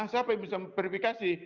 siapa yang bisa memverifikasi